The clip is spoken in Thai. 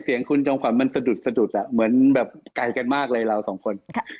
เสียงคุณจอมขวัญมันสะดุดสะดุดเหมือนแบบไกลกันมากเลยเราสองคน